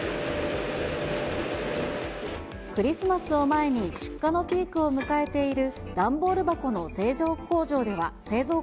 クリスマスを前に出荷のピークを迎えている段ボール箱の製造工場では。